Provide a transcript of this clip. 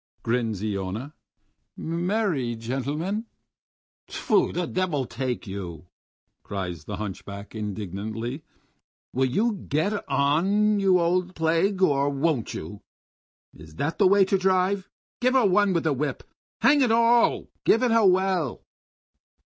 "He he!" grins Iona. "Me er ry gentlemen!" "Tfoo! the devil take you!" cries the hunchback indignantly. "Will you get on, you old plague, or won't you? Is that the way to drive? Give her one with the whip. Hang it all, give it her well."